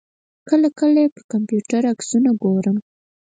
کله کله یې پر کمپیوټر عکسونه ګورم.